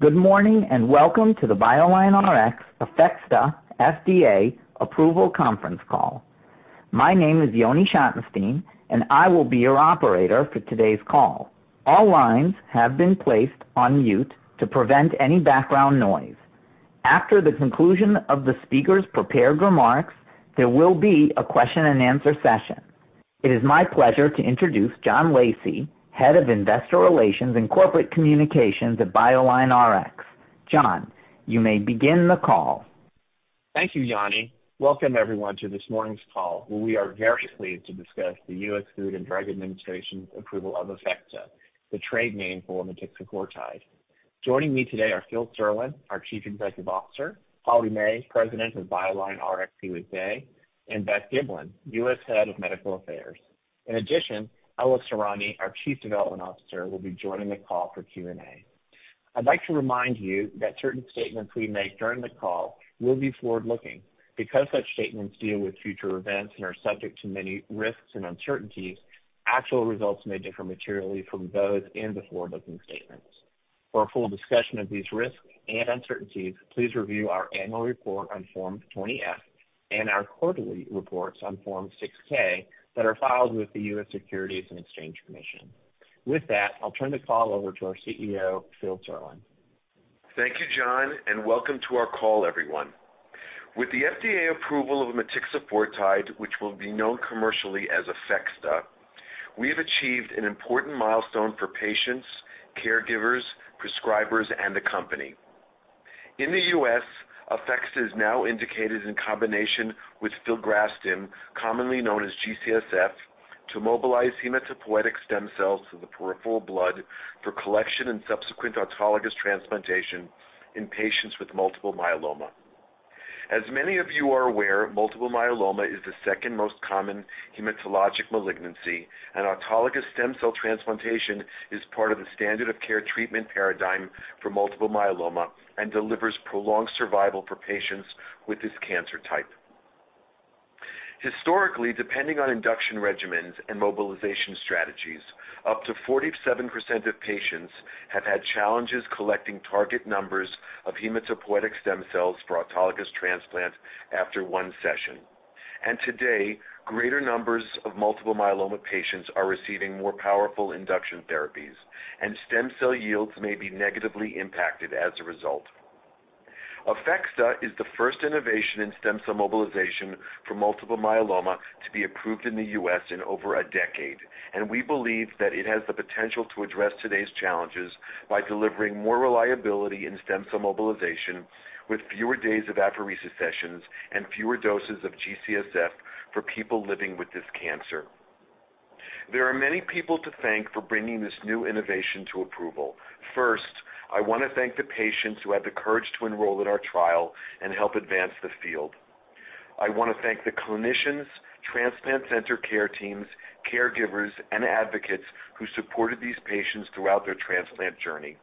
Good morning, and welcome to the BioLineRx APHEXDA FDA approval conference call. My name is Yoni Schottenstein, and I will be your operator for today's call. All lines have been placed on mute to prevent any background noise. After the conclusion of the speaker's prepared remarks, there will be a question-and-answer session. It is my pleasure to introduce John Lacey, Head of Investor Relations and Corporate Communications at BioLineRx. John, you may begin the call. Thank you, Yoni. Welcome everyone to this morning's call, where we are very pleased to discuss the U.S. Food and Drug Administration's approval of APHEXDA, the trade name for motixafortide. Joining me today are Phil Serlin, our Chief Executive Officer, Holly May, President of BioLineRx USA, and Beth Giblin, U.S. Head of Medical Affairs. In addition, Ella Sorani, our Chief Development Officer, will be joining the call for Q&A. I'd like to remind you that certain statements we make during the call will be forward-looking. Because such statements deal with future events and are subject to many risks and uncertainties, actual results may differ materially from those in the forward-looking statements. For a full discussion of these risks and uncertainties, please review our annual report on Form 20-F and our quarterly reports on Form 6-K that are filed with the U.S. Securities and Exchange Commission. With that, I'll turn the call over to our CEO, Phil Serlin. Thank you, John, and welcome to our call, everyone. With the FDA approval of motixafortide, which will be known commercially as APHEXDA, we have achieved an important milestone for patients, caregivers, prescribers, and the company. In the U.S., APHEXDA is now indicated in combination with filgrastim, commonly known as G-CSF, to mobilize hematopoietic stem cells to the peripheral blood for collection and subsequent autologous transplantation in patients with multiple myeloma. As many of you are aware, multiple myeloma is the second most common hematologic malignancy, and autologous stem cell transplantation is part of the standard of care treatment paradigm for multiple myeloma and delivers prolonged survival for patients with this cancer type. Historically, depending on induction regimens and mobilization strategies, up to 47% of patients have had challenges collecting target numbers of hematopoietic stem cells for autologous transplant after one session. Today, greater numbers of multiple myeloma patients are receiving more powerful induction therapies, and stem cell yields may be negatively impacted as a result. Aphexda is the first innovation in stem cell mobilization for multiple myeloma to be approved in the U.S. in over a decade, and we believe that it has the potential to address today's challenges by delivering more reliability in stem cell mobilization with fewer days of apheresis sessions and fewer doses of G-CSF for people living with this cancer. There are many people to thank for bringing this new innovation to approval. First, I want to thank the patients who had the courage to enroll in our trial and help advance the field. I want to thank the clinicians, transplant center care teams, caregivers, and advocates who supported these patients throughout their transplant journey.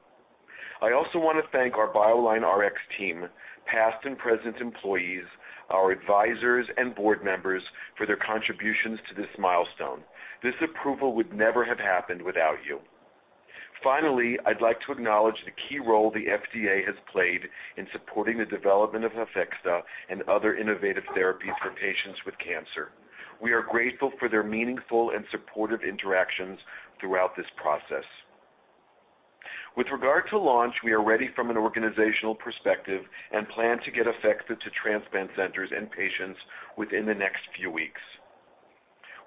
I also want to thank our BioLineRx team, past and present employees, our advisors, and board members for their contributions to this milestone. This approval would never have happened without you. Finally, I'd like to acknowledge the key role the FDA has played in supporting the development of APHEXDA and other innovative therapies for patients with cancer. We are grateful for their meaningful and supportive interactions throughout this process. With regard to launch, we are ready from an organizational perspective and plan to get APHEXDA to transplant centers and patients within the next few weeks.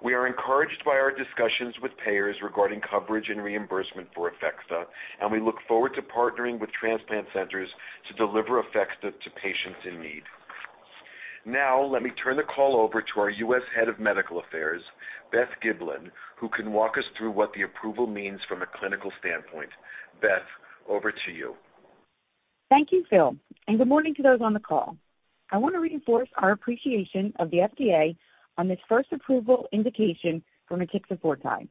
We are encouraged by our discussions with payers regarding coverage and reimbursement for APHEXDA, and we look forward to partnering with transplant centers to deliver APHEXDA to patients in need. Now, let me turn the call over to our U.S. Head of Medical Affairs, Beth Giblin, who can walk us through what the approval means from a clinical standpoint. Beth, over to you. Thank you, Phil, and good morning to those on the call. I want to reinforce our appreciation of the FDA on this first approval indication for motixafortide.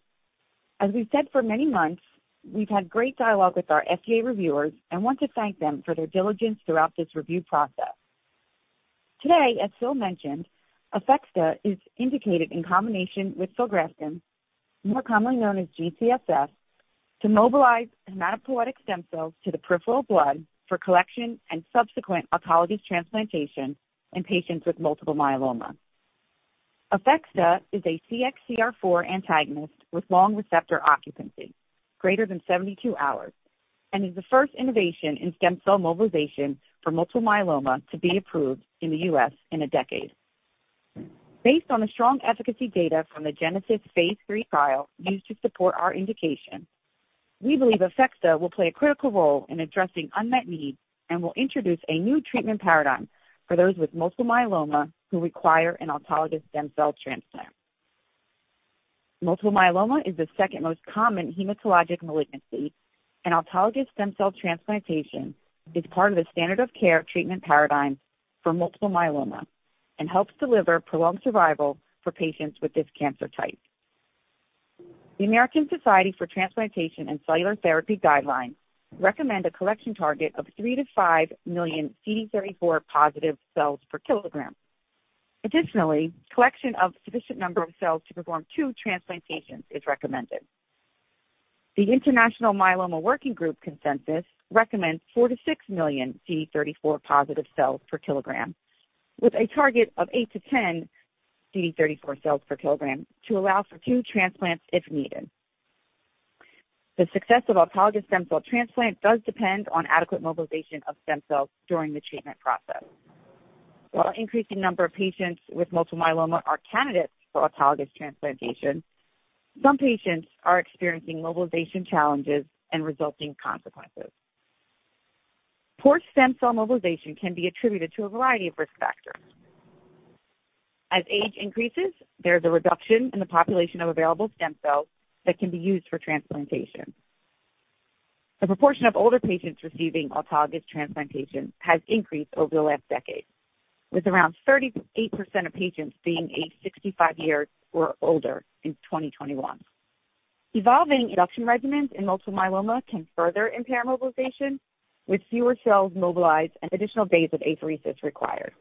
As we've said for many months, we've had great dialogue with our FDA reviewers and want to thank them for their diligence throughout this review process. Today, as Phil mentioned, APHEXDA is indicated in combination with filgrastim, more commonly known as G-CSF, to mobilize hematopoietic stem cells to the peripheral blood for collection and subsequent autologous transplantation in patients with multiple myeloma. APHEXDA is a CXCR4 antagonist with long receptor occupancy, greater than 72 hours, and is the first innovation in stem cell mobilization for multiple myeloma to be approved in the U.S. in a decade. Based on the strong efficacy data from the GENESIS Phase 3 trial used to support our indication, we believe APHEXDA will play a critical role in addressing unmet needs and will introduce a new treatment paradigm for those with multiple myeloma who require an autologous stem cell transplant. Multiple myeloma is the second most common hematologic malignancy, and autologous stem cell transplantation is part of the standard of care treatment paradigm for multiple myeloma and helps deliver prolonged survival for patients with this cancer type. The American Society for Transplantation and Cellular Therapy guidelines recommend a collection target of three to five million CD34+ cells per kilogram. Additionally, collection of sufficient number of cells to perform two transplantations is recommended. The International Myeloma Working Group consensus recommends four to six million CD34+ cells per kilogram, with a target of eight to 10 CD34+ cells per kilogram to allow for two transplants if needed. The success of autologous stem cell transplant does depend on adequate mobilization of stem cells during the treatment process. While increasing number of patients with multiple myeloma are candidates for autologous transplantation, some patients are experiencing mobilization challenges and resulting consequences. Poor stem cell mobilization can be attributed to a variety of risk factors. As age increases, there is a reduction in the population of available stem cells that can be used for transplantation. The proportion of older patients receiving autologous transplantation has increased over the last decade, with around 38% of patients being aged 65 years or older in 2021. Evolving induction regimens in multiple myeloma can further impair mobilization, with fewer cells mobilized and additional days of apheresis required.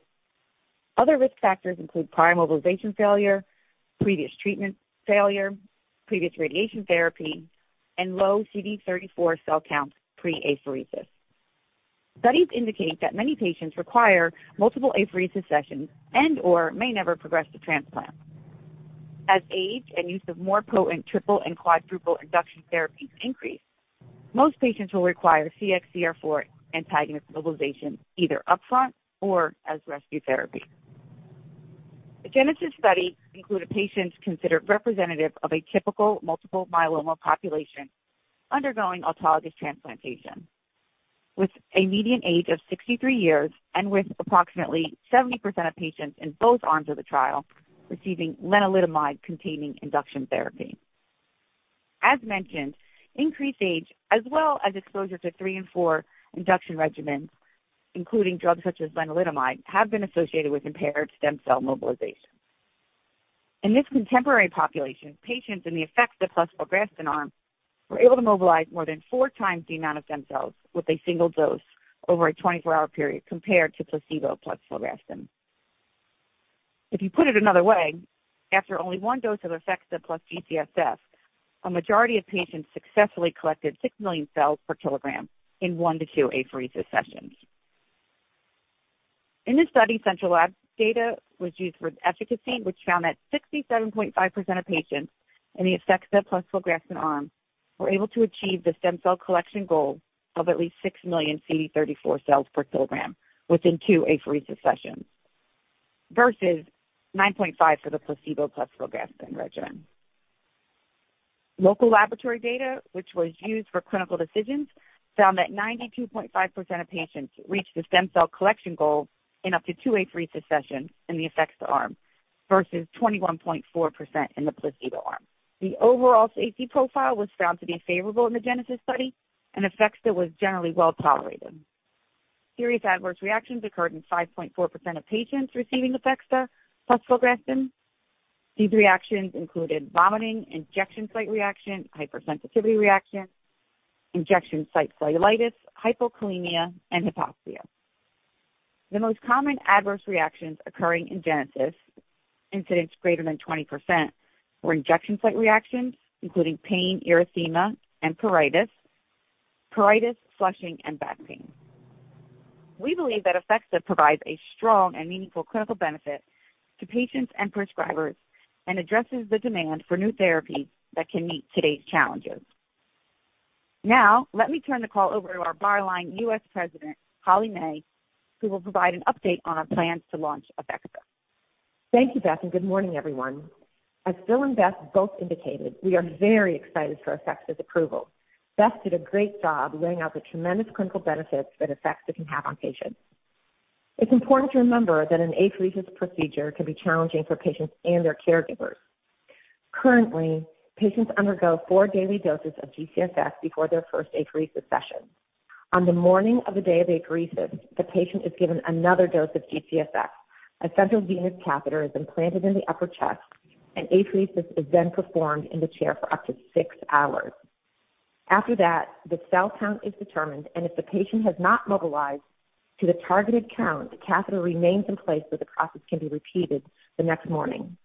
Other risk factors include prior mobilization failure, previous treatment failure, previous radiation therapy, and low CD34 cell counts pre-apheresis. Studies indicate that many patients require multiple apheresis sessions and/or may never progress to transplant. As age and use of more potent triple and quadruple induction therapies increase, most patients will require CXCR4 antagonist mobilization, either upfront or as rescue therapy. The GENESIS study included patients considered representative of a typical multiple myeloma population undergoing autologous transplantation, with a median age of 63 years and with approximately 70% of patients in both arms of the trial receiving lenalidomide-containing induction therapy. As mentioned, increased age as well as exposure to three and four induction regimens, including drugs such as lenalidomide, have been associated with impaired stem cell mobilization. In this contemporary population, patients in the APHEXDA plus filgrastim arm were able to mobilize more than four times the amount of stem cells with a single dose over a 24-hour period compared to placebo plus filgrastim. If you put it another way, after only one dose of APHEXDA plus G-CSF, a majority of patients successfully collected 6 million cells per kilogram in one to two apheresis sessions. In this study, central lab data was used for efficacy, which found that 67.5% of patients in the APHEXDA plus filgrastim arm were able to achieve the stem cell collection goal of at least 6 million CD34 cells per kilogram within two apheresis sessions, versus 9.5% for the placebo plus filgrastim regimen. Local laboratory data, which was used for clinical decisions, found that 92.5% of patients reached the stem cell collection goal in up to two apheresis sessions in the APHEXDA arm versus 21.4% in the placebo arm. The overall safety profile was found to be favorable in the GENESIS study, and APHEXDA was generally well tolerated. Serious adverse reactions occurred in 5.4% of patients receiving APHEXDA plus filgrastim. These reactions included vomiting, injection site reaction, hypersensitivity reaction, injection site cellulitis, hypokalemia, and hypoxia. The most common adverse reactions occurring in GENESIS, incidence greater than 20%, were injection site reactions, including pain, erythema, and pruritus, pruritus, flushing, and back pain. We believe that APHEXDA provides a strong and meaningful clinical benefit to patients and prescribers and addresses the demand for new therapy that can meet today's challenges. Now, let me turn the call over to our BioLineRx US President, Holly May, who will provide an update on our plans to launch APHEXDA. Thank you, Beth, and good morning, everyone. As Phil and Beth both indicated, we are very excited for APHEXDA's approval. Beth did a great job laying out the tremendous clinical benefits that APHEXDA can have on patients. It's important to remember that an apheresis procedure can be challenging for patients and their caregivers. Currently, patients undergo four daily doses of G-CSF before their first apheresis session. On the morning of the day of apheresis, the patient is given another dose of G-CSF. A central venous catheter is implanted in the upper chest, and apheresis is then performed in the chair for up to six hours. After that, the cell count is determined, and if the patient has not mobilized to the targeted count, the catheter remains in place so the process can be repeated the next morning.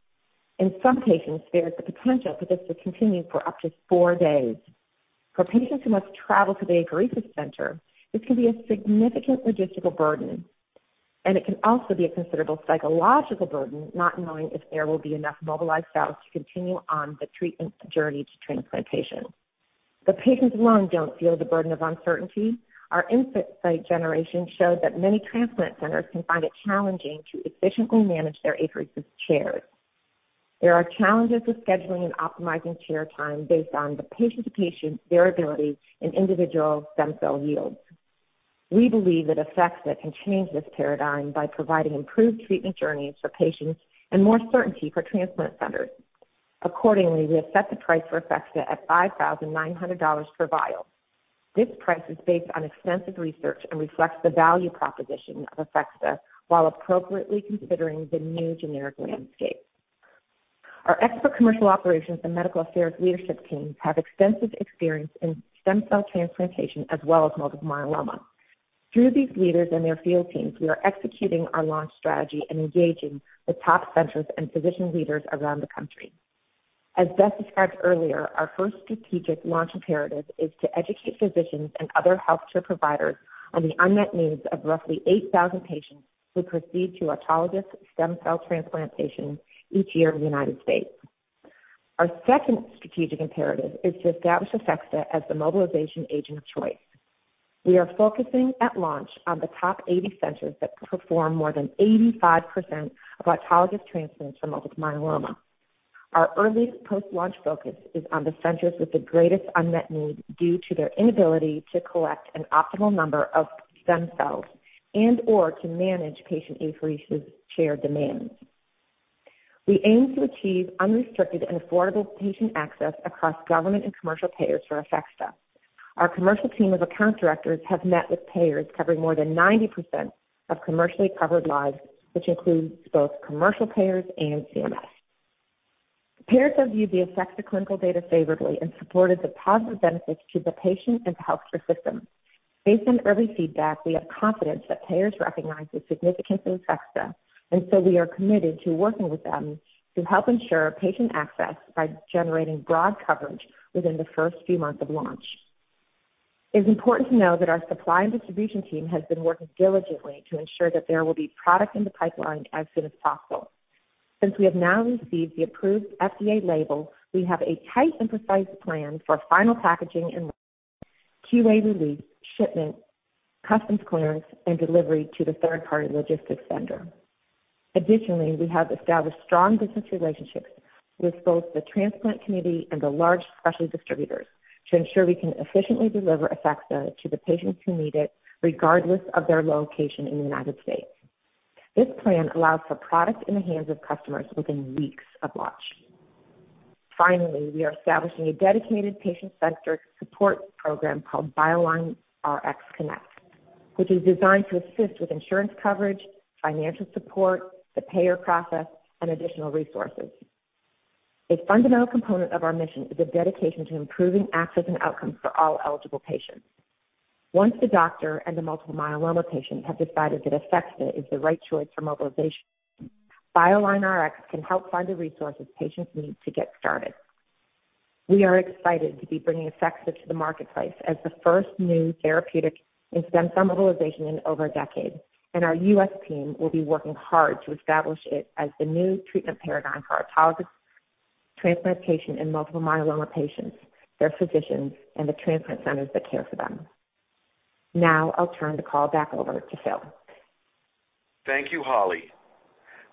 In some patients, there is the potential for this to continue for up to four days. For patients who must travel to the apheresis center, this can be a significant logistical burden, and it can also be a considerable psychological burden, not knowing if there will be enough mobilized cells to continue on the treatment journey to transplantation. The patients alone don't feel the burden of uncertainty. Our insight generation showed that many transplant centers can find it challenging to efficiently manage their apheresis chairs. There are challenges with scheduling and optimizing chair time based on the patient-to-patient variability in individual stem cell yields. We believe that APHEXDA can change this paradigm by providing improved treatment journeys for patients and more certainty for transplant centers. Accordingly, we have set the price for APHEXDA at $5,900 per vial. This price is based on extensive research and reflects the value proposition of APHEXDA while appropriately considering the new generic landscape. Our expert commercial operations and medical affairs leadership teams have extensive experience in stem cell transplantation as well as multiple myeloma. Through these leaders and their field teams, we are executing our launch strategy and engaging with top centers and physician leaders around the country. As Beth described earlier, our first strategic launch imperative is to educate physicians and other healthcare providers on the unmet needs of roughly 8,000 patients who proceed to autologous stem cell transplantation each year in the United States. Our second strategic imperative is to establish APHEXDA as the mobilization agent of choice. We are focusing at launch on the top 80 centers that perform more than 85% of autologous transplants for multiple myeloma. Our early post-launch focus is on the centers with the greatest unmet need due to their inability to collect an optimal number of stem cells and/or to manage patient apheresis chair demands. We aim to achieve unrestricted and affordable patient access across government and commercial payers for APHEXDA. Our commercial team of account directors have met with payers covering more than 90% of commercially covered lives, which includes both commercial payers and CMS. Payers have viewed the APHEXDA clinical data favorably and supported the positive benefits to the patient and the healthcare system. Based on early feedback, we have confidence that payers recognize the significance of APHEXDA, and so we are committed to working with them to help ensure patient access by generating broad coverage within the first few months of launch. It's important to know that our supply and distribution team has been working diligently to ensure that there will be product in the pipeline as soon as possible. Since we have now received the approved FDA label, we have a tight and precise plan for final packaging and QA release, shipment, customs clearance, and delivery to the third-party logistics vendor. Additionally, we have established strong business relationships with both the transplant community and the large specialty distributors to ensure we can efficiently deliver APHEXDA to the patients who need it, regardless of their location in the United States. This plan allows for product in the hands of customers within weeks of launch. Finally, we are establishing a dedicated patient-centered support program called BioLineRxConnect, which is designed to assist with insurance coverage, financial support, the payer process, and additional resources. A fundamental component of our mission is a dedication to improving access and outcomes for all eligible patients. Once the doctor and the multiple myeloma patient have decided that APHEXDA is the right choice for mobilization, BioLineRx can help find the resources patients need to get started. We are excited to be bringing APHEXDA to the marketplace as the first new therapeutic in stem cell mobilization in over a decade, and our U.S. team will be working hard to establish it as the new treatment paradigm for autologous transplant patients and multiple myeloma patients, their physicians, and the transplant centers that care for them. Now I'll turn the call back over to Phil. Thank you, Holly.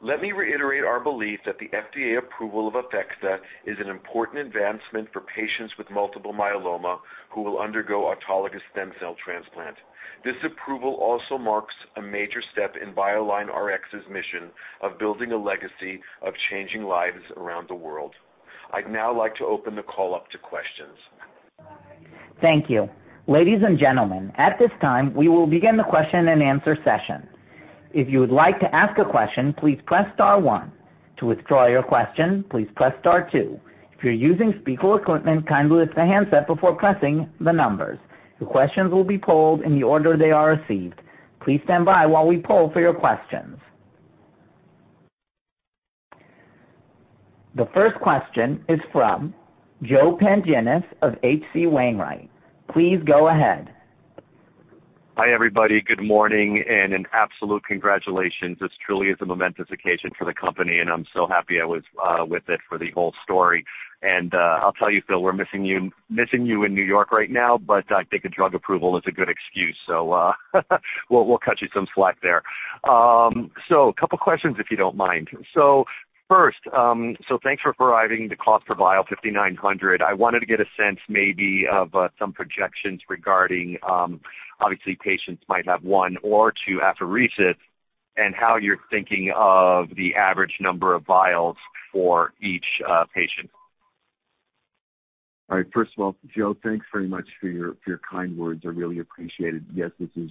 Let me reiterate our belief that the FDA approval of APHEXDA is an important advancement for patients with multiple myeloma who will undergo autologous stem cell transplant. This approval also marks a major step in BioLineRx's mission of building a legacy of changing lives around the world. I'd now like to open the call up to questions. Thank you. Ladies and gentlemen, at this time, we will begin the question-and-answer session. If you would like to ask a question, please press star one. To withdraw your question, please press star two. If you're using speaker equipment, kindly lift the handset before pressing the numbers. The questions will be polled in the order they are received. Please stand by while we poll for your questions. The first question is from Joe Pantginis of H.C. Wainwright. Please go ahead. Hi, everybody. Good morning and an absolute congratulations. This truly is a momentous occasion for the company, and I'm so happy I was with it for the whole story. And I'll tell you, Phil, we're missing you, missing you in New York right now, but I think a drug approval is a good excuse, so we'll cut you some slack there. So a couple questions, if you don't mind. So first, so thanks for providing the cost per vial, $5,900. I wanted to get a sense maybe of some projections regarding obviously, patients might have one or two apheresis and how you're thinking of the average number of vials for each patient. All right. First of all, Joe, thanks very much for your kind words. I really appreciate it. Yes, this is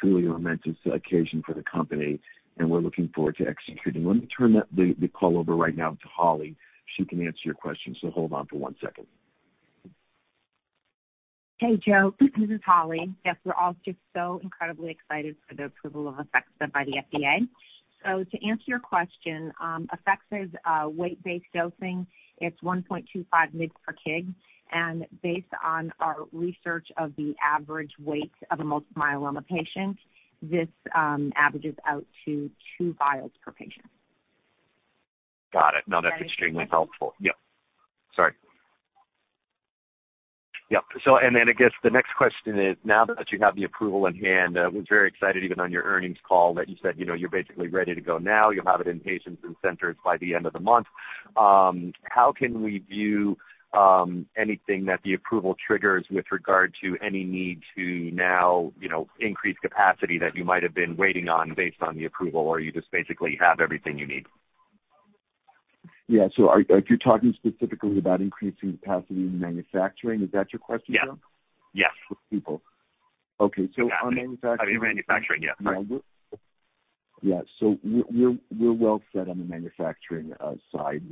truly a momentous occasion for the company, and we're looking forward to executing. Let me turn the call over right now to Holly. She can answer your question, so hold on for one second. Hey, Joe, this is Holly. Yes, we're all just so incredibly excited for the approval of APHEXDA by the FDA. So to answer your question, APHEXDA is a weight-based dosing. It's 1.25 mg/kg, and based on our research of the average weight of a multiple myeloma patient, this averages out to two vials per patient. Got it. No, that's extremely helpful. Yep. Sorry. Yep. So and then I guess the next question is, now that you have the approval in hand, we're very excited, even on your earnings call, that you said, you know, you're basically ready to go now. You'll have it in patients and centers by the end of the month. How can we view anything that the approval triggers with regard to any need to now, you know, increase capacity that you might have been waiting on based on the approval, or you just basically have everything you need? Yeah. So are you talking specifically about increasing capacity in manufacturing? Is that your question, Joe? Yeah. Yes. Cool.... Okay, so on manufacturing. Manufacturing, yeah. Sorry. Yeah, so we're well set on the manufacturing side.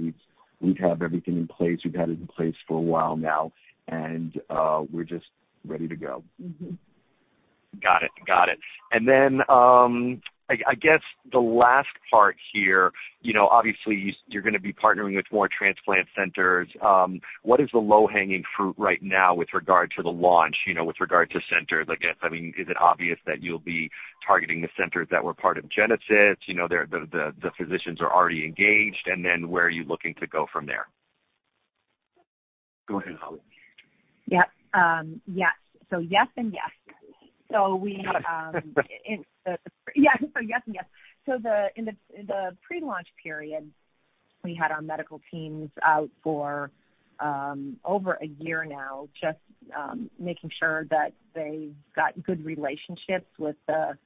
We have everything in place. We've had it in place for a while now, and we're just ready to go. Mm-hmm. Got it. Got it. And then, I guess the last part here, you know, obviously, you're gonna be partnering with more transplant centers. What is the low-hanging fruit right now with regard to the launch, you know, with regard to centers? I guess, I mean, is it obvious that you'll be targeting the centers that were part of Genesis? You know, the physicians are already engaged, and then where are you looking to go from there? Go ahead, Holly. Yep. Yes. So yes and yes. So we, yeah, so yes, and yes. So in the pre-launch period, we had our medical teams out for over a year now, just making sure that they've got good relationships with the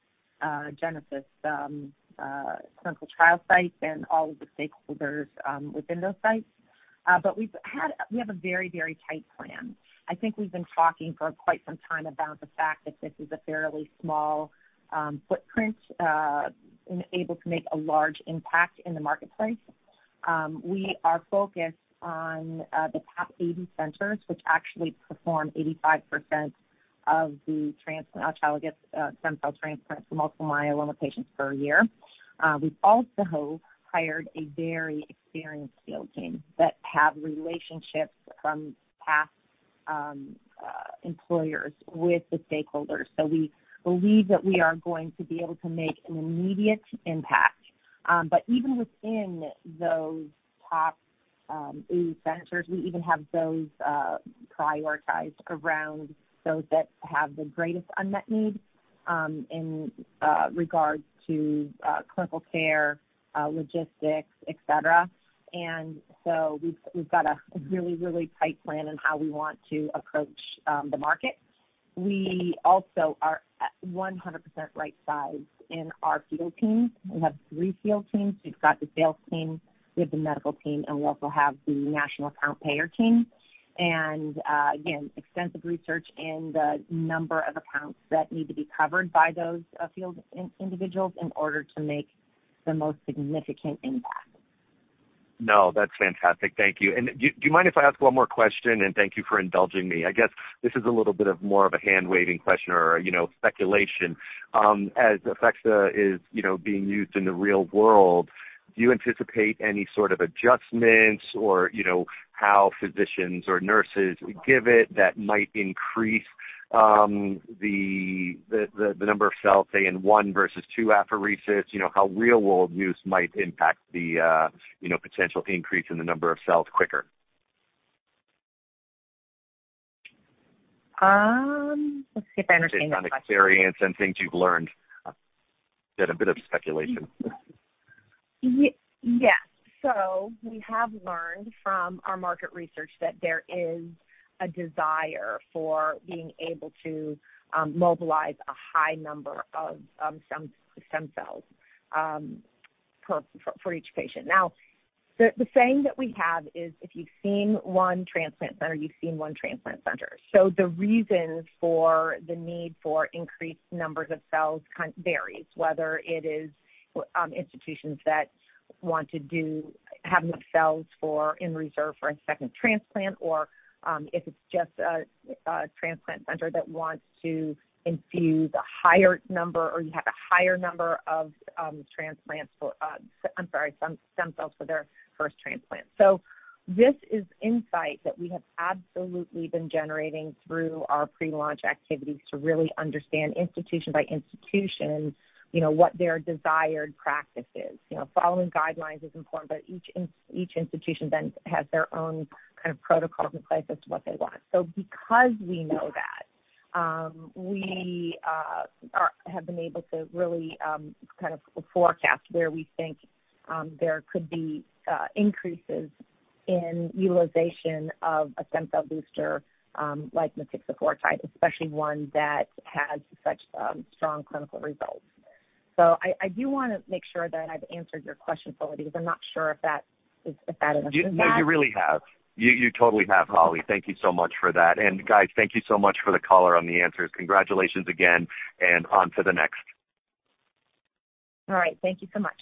Genesis clinical trial sites and all of the stakeholders within those sites. But we have a very, very tight plan. I think we've been talking for quite some time about the fact that this is a fairly small footprint and able to make a large impact in the marketplace. We are focused on the top 80 centers, which actually perform 85% of the transplant, allogeneic stem cell transplants for multiple myeloma patients per year. We've also hired a very experienced field team that have relationships from past employers with the stakeholders. So we believe that we are going to be able to make an immediate impact. But even within those top 80 centers, we even have those prioritized around those that have the greatest unmet need in regards to clinical care, logistics, et cetera. And so we've got a really, really tight plan on how we want to approach the market. We also are at 100% right-sized in our field team. We have three field teams. We've got the sales team, we have the medical team, and we also have the national account payer team. Again, extensive research in the number of accounts that need to be covered by those field individuals in order to make the most significant impact. No, that's fantastic. Thank you. And do you mind if I ask one more question, and thank you for indulging me? I guess this is a little bit more of a hand-waving question or, you know, speculation. As APHEXDA is, you know, being used in the real world, do you anticipate any sort of adjustments or, you know, how physicians or nurses would give it that might increase the number of cells, say, in one versus two apheresis, you know, how real-world use might impact the potential increase in the number of cells quicker? Let's see if I understand that question. Based on experience and things you've learned and a bit of speculation. Yes. So we have learned from our market research that there is a desire for being able to mobilize a high number of stem cells for each patient. Now, the saying that we have is, if you've seen one transplant center, you've seen one transplant center. So the reason for the need for increased numbers of cells kinda varies, whether it is institutions that want to have the cells in reserve for a second transplant, or if it's just a transplant center that wants to infuse a higher number, or you have a higher number of stem cells for their first transplant. I'm sorry. So this is insight that we have absolutely been generating through our pre-launch activities to really understand institution by institution, you know, what their desired practice is. You know, following guidelines is important, but each institution then has their own kind of protocols in place as to what they want. So because we know that, we have been able to really kind of forecast where we think there could be increases in utilization of a stem cell booster like motixafortide, especially one that has such strong clinical results. So I do want to make sure that I've answered your question fully, because I'm not sure if that is enough. You, no, you really have. You, you totally have, Holly. Thank you so much for that. And, guys, thank you so much for the color on the answers. Congratulations again, and on to the next. All right. Thank you so much.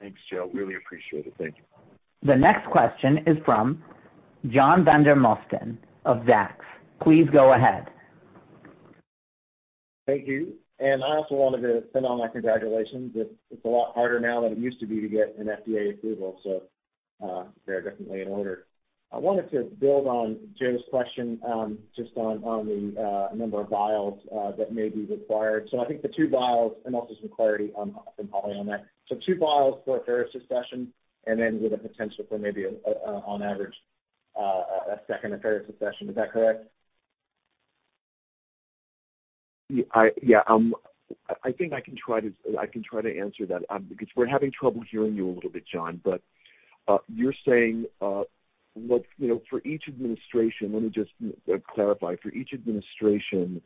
Thanks, Joe. Really appreciate it. Thank you. The next question is from John Vandermosten of Zacks. Please go ahead. Thank you. And I also wanted to send all my congratulations. It's a lot harder now than it used to be to get an FDA approval, so they're definitely in order. I wanted to build on Joe's question, just on the number of vials that may be required. So I think the two vials and also some clarity from Holly on that. So two vials for apheresis session, and then with a potential for maybe, on average, a second apheresis session. Is that correct? I, yeah, I think I can try to, I can try to answer that, because we're having trouble hearing you a little bit, John. But, you're saying, what, you know, for each administration, let me just, clarify. For each administration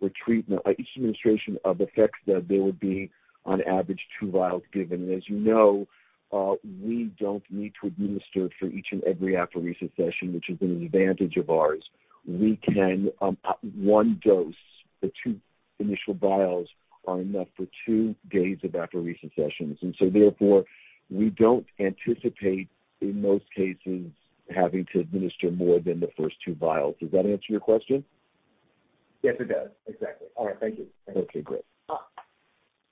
or treatment, each administration of APHEXDA, there would be, on average, two vials given. And as you know, we don't need to administer it for each and every apheresis session, which is an advantage of ours. We can, one dose, the two initial vials are enough for two days of apheresis sessions. And so therefore, we don't anticipate, in most cases, having to administer more than the first two vials. Does that answer your question? Yes, it does. Exactly. All right, thank you. Okay, great.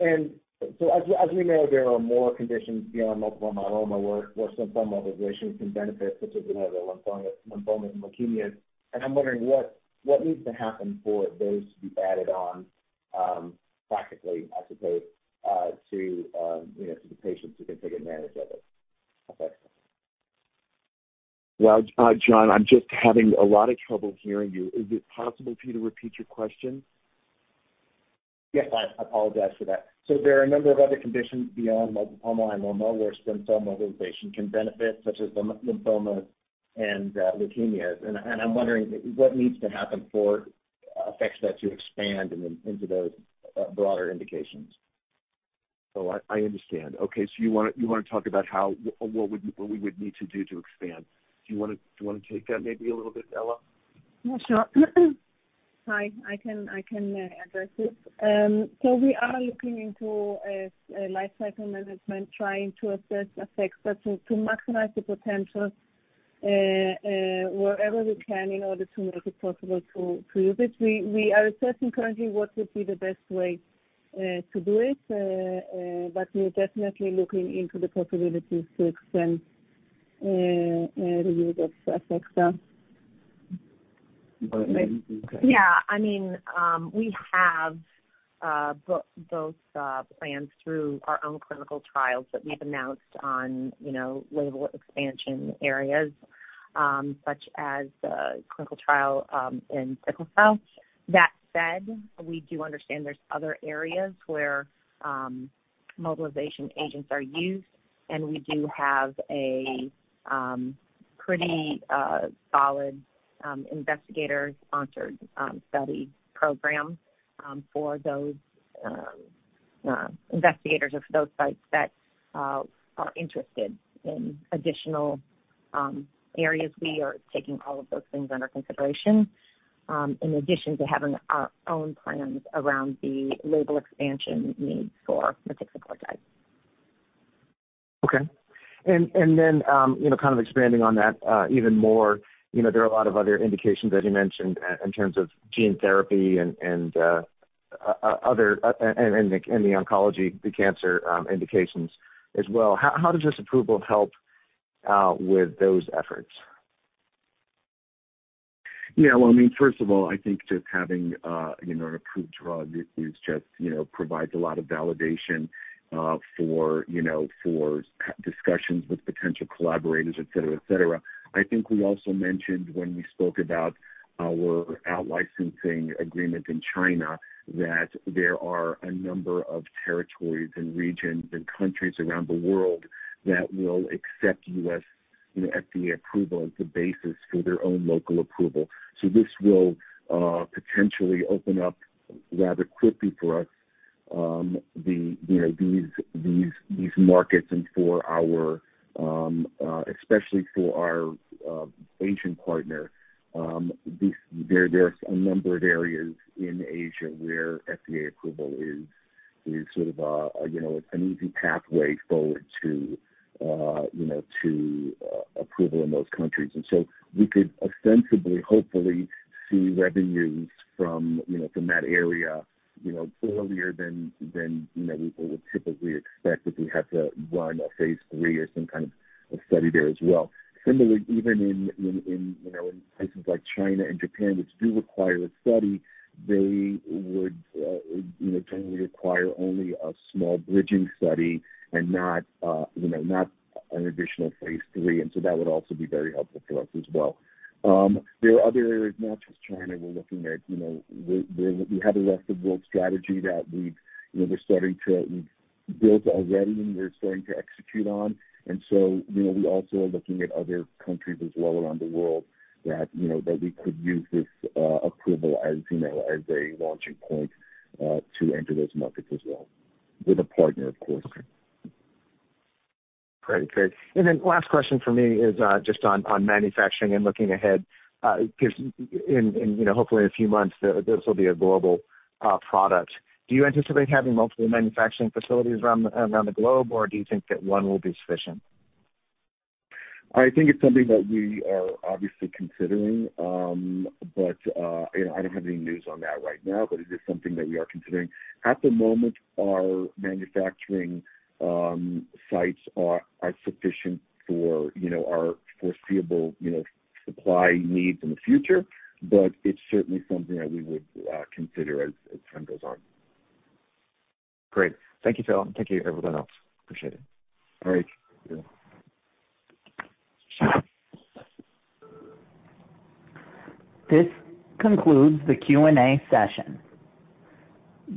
As we know, there are more conditions beyond multiple myeloma where stem cell mobilization can benefit, such as lymphomas and leukemias. I'm wondering what needs to happen for those to be added on, practically, I suppose, to you know, to the patients who can take advantage of it? Thanks. Well, John, I'm just having a lot of trouble hearing you. Is it possible for you to repeat your question? Yes, I apologize for that. So there are a number of other conditions beyond multiple myeloma where stem cell mobilization can benefit, such as the lymphomas and leukemias. And I'm wondering what needs to happen for APHEXDA to expand into those broader indications. Oh, I understand. Okay, so you wanna talk about how, what would—what we would need to do to expand? Do you wanna take that maybe a little bit, Ella? Yeah, sure. Hi, I can address this. So we are looking into a life cycle management, trying to assess APHEXDA to maximize the potential wherever we can in order to make it possible to use it. We are assessing currently what would be the best way to do it, but we're definitely looking into the possibilities to extend the use of APHEXDA. Okay. Yeah. I mean, we have both plans through our own clinical trials that we've announced on, you know, label expansion areas, such as the clinical trial in sickle cell. That said, we do understand there's other areas where mobilization agents are used, and we do have a pretty solid investigator-sponsored study program for those investigators or for those sites that are interested in additional areas. We are taking all of those things under consideration, in addition to having our own plans around the label expansion needs for motixafortide. Okay. And then, you know, kind of expanding on that, even more. You know, there are a lot of other indications that you mentioned in terms of gene therapy and other and the oncology, the cancer indications as well. How does this approval help with those efforts? Yeah, well, I mean, first of all, I think just having, you know, an approved drug is just, you know, provides a lot of validation, for, you know, for discussions with potential collaborators, et cetera, et cetera. I think we also mentioned when we spoke about our out-licensing agreement in China, that there are a number of territories and regions and countries around the world that will accept U.S., you know, FDA approval as the basis for their own local approval. So this will, potentially open up rather quickly for us, the, you know, these markets and for our, especially for our, Asian partner, there are a number of areas in Asia where FDA approval is sort of a, you know, an easy pathway forward to, you know, to, approval in those countries. And so we could ostensibly, hopefully see revenues from, you know, from that area, you know, earlier than you know, we would typically expect if we had to run a Phase 3 or some kind of a study there as well. Similarly, even in you know, in places like China and Japan, which do require a study, they would you know, generally require only a small bridging study and not you know, not an additional Phase 3, and so that would also be very helpful for us as well. There are other areas, not just China, we're looking at. You know, we have a rest of world strategy that we've you know, we're starting to build already and we're starting to execute on. So, you know, we also are looking at other countries as well around the world that, you know, that we could use this approval as, you know, as a launching point to enter those markets as well, with a partner, of course. Great. Great. And then last question for me is, just on manufacturing and looking ahead, because, you know, hopefully in a few months, this will be a global product. Do you anticipate having multiple manufacturing facilities around the globe, or do you think that one will be sufficient? I think it's something that we are obviously considering. But you know, I don't have any news on that right now, but it is something that we are considering. At the moment, our manufacturing sites are sufficient for, you know, our foreseeable, you know, supply needs in the future, but it's certainly something that we would consider as time goes on. Great. Thank you, Phil. Thank you everyone else. Appreciate it. All right. Thank you. This concludes the Q&A session.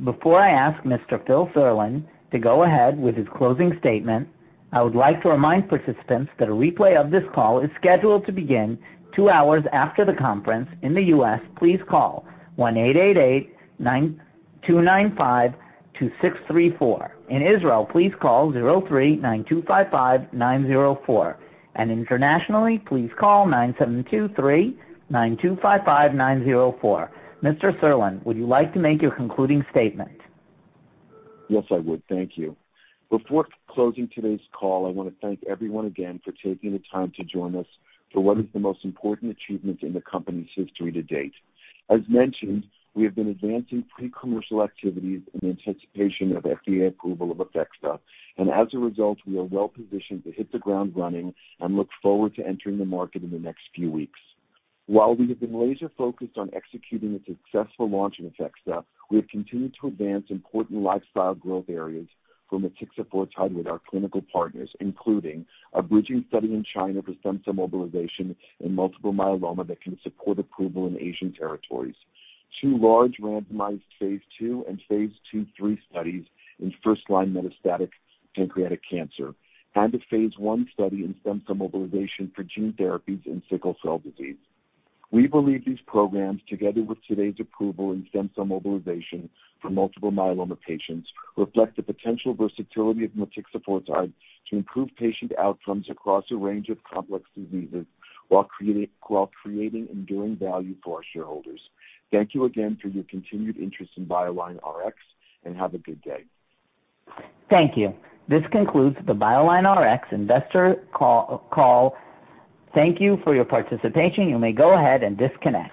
Before I ask Mr. Philip Serlin to go ahead with his closing statement, I would like to remind participants that a replay of this call is scheduled to begin 2 hours after the conference. In the U.S., please call 1-888-929-5263. In Israel, please call 03-925-5904, and internationally, please call 972-3-925-5904. Mr. Serlin, would you like to make your concluding statement? Yes, I would. Thank you. Before closing today's call, I want to thank everyone again for taking the time to join us for what is the most important achievement in the company's history to date. As mentioned, we have been advancing pre-commercial activities in anticipation of FDA approval of APHEXDA, and as a result, we are well positioned to hit the ground running and look forward to entering the market in the next few weeks. While we have been laser focused on executing the successful launch of APHEXDA, we have continued to advance important lifecycle growth areas for motixafortide with our clinical partners, including a bridging study in China for stem cell mobilization and multiple myeloma that can support approval in Asian territories, two large randomized Phase 2 and Phase 2/3 studies in first-line metastatic pancreatic cancer, and a Phase 1 study in stem cell mobilization for gene therapies in sickle cell disease. We believe these programs, together with today's approval in stem cell mobilization for multiple myeloma patients, reflect the potential versatility of motixafortide to improve patient outcomes across a range of complex diseases while creating enduring value for our shareholders. Thank you again for your continued interest in BioLineRx, and have a good day. Thank you. This concludes the BioLineRx investor call. Thank you for your participation. You may go ahead and disconnect.